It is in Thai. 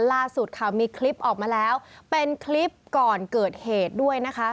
ล่าสุดค่ะมีคลิปออกมาแล้วเป็นคลิปก่อนเกิดเหตุด้วยนะคะ